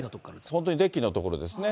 本当にデッキの所ですね。